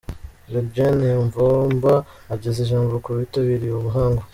Lt Gen Nyamvumba ageza ijambo ku bitabiriye uwo muhango.